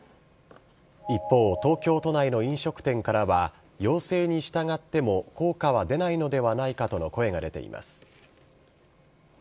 一方、東京都内の飲食店からは、要請に従っても効果は出ないのではないかとの声が出ています。